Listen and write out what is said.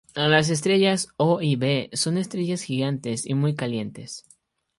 Las estrellas O y B son estrellas gigantes y muy calientes.